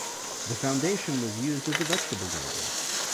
The foundation was used as vegetable garden.